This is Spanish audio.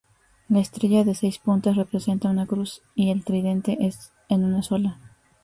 La estrella de seis puntas representa una cruz y el tridente en una sola.